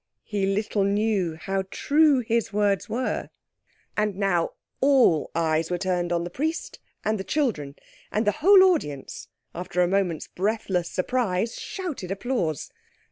He little knew how true his words were. And now all eyes were turned on the Priest and the children, and the whole audience, after a moment's breathless surprise, shouted applause.